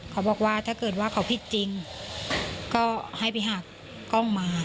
เขาบอกว่าถ้าเกิดว่าเขาผิดจริงก็ให้ไปหักกล้องมา